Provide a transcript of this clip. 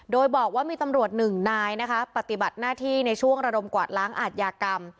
โดยบอกว่ามีตำรวจหนึ่งนายนะคะปฏิบัติหน้าที่ในช่วงระดมกวาดล้างอาทยากรรม